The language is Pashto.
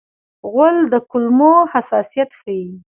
غول د کولمو حساسیت ښيي.